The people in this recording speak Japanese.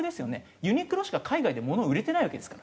ユニクロしか海外で物を売れてないわけですから。